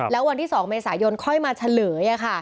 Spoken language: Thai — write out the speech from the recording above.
แล้ววันที่๒เมษายนค่อยมาเฉลย